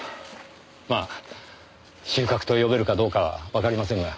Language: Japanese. まあ収穫と呼べるかどうかはわかりませんが。